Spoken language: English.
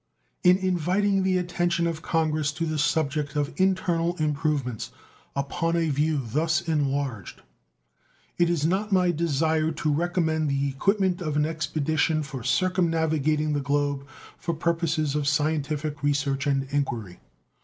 In inviting the attention of Congress to the subject of internal improvements upon a view thus enlarged it is not my desire to recommend the equipment of an expedition for circumnavigating the globe for purposes of scientific research and inquiry.